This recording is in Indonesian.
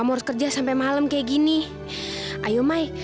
coba sekarang kamu telfon rumah